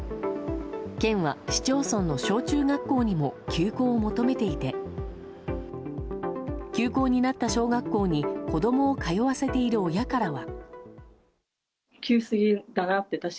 県は市町村の小中学校にも休校を求めていて休校になった小学校に子供を通わせている親からは。